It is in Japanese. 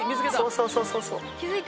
そうそうそうそう。